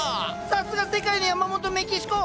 さすが世界のヤマモトメキシコ！